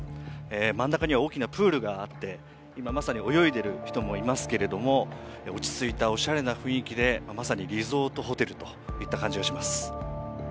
真ん中には大きなプールがあって今、まさに泳いでいる人もいますけれども落ち着いたおしゃれな雰囲気でまさにリゾートホテルといった感じがします。